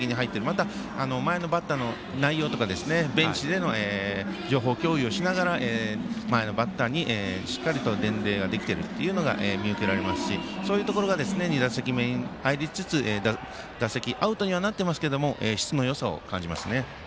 また、前のバッターの内容とかベンチでの情報共有をしながら前のバッターに、しっかりと伝令ができているというのが見受けられますしそういうところが２打席目に入りつつアウトにはなってますけども質のよさを感じますね。